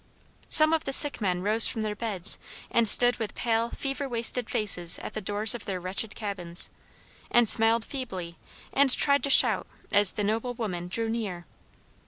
Some of the sick men rose from their beds and stood with pale, fever wasted faces at the doors of their wretched cabins, and smiled feebly and tried to shout as the noble woman drew near.